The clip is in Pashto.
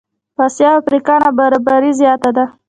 په آسیا او افریقا نابرابري زیاته ده.